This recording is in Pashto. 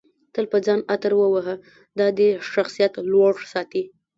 تل په ځان عطر وهه دادی شخصیت لوړ ساتي